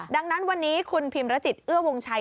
ดังนั้นวันนี้คุณพิมรจิตเอื้อวงชัย